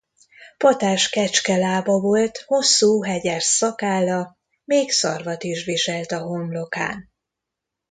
Patás kecskelába volt, hosszú, hegyes szakálla, még szarvat is viselt a homlokán.